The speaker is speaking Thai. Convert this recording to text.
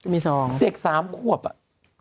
มีสองเด็กสามควบอะ